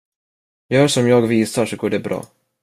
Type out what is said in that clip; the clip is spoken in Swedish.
Gör som jag visar så går det bra.